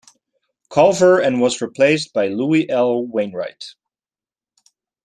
Culver and was replaced by Louie L. Wainwright.